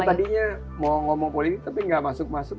karena tadinya mau ngomong politik tapi nggak masuk masuk